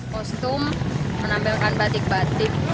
kostum menampilkan batik batik